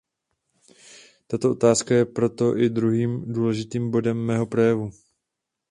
Tato otázka je potom i druhým důležitým bodem mého projevu.